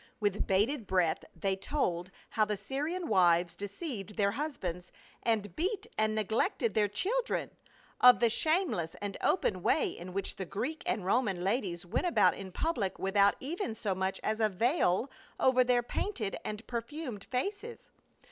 With bated breath they told how the Syrian wives deceived their husbands, and beat and neglected their children ; of the shameless and open way in which the Greek and Roman ladies went about In public without even so much as a veil over their painted and perfumed faces.